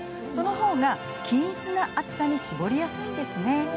そのほうが均一な厚さに絞りやすいんです。